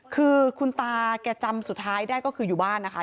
คือคุณตาแกจำสุดท้ายได้ก็คืออยู่บ้านนะคะ